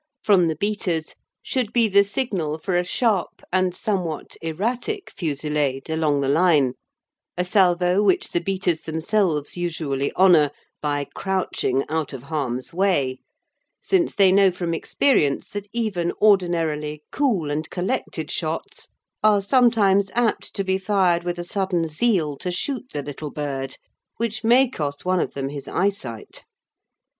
from the beaters should be the signal for a sharp and somewhat erratic fusillade along the line, a salvo which the beaters themselves usually honour by crouching out of harm's way, since they know from experience that even ordinarily cool and collected shots are sometimes apt to be fired with a sudden zeal to shoot the little bird, which may cost one of them his eyesight.